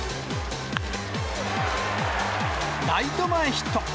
ライト前ヒット。